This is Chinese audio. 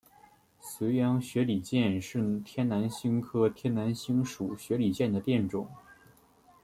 绥阳雪里见是天南星科天南星属雪里见的变种。